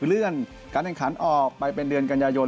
เลื่อนการแข่งขันออกไปเป็นเดือนกันยายน